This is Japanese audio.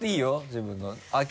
自分の。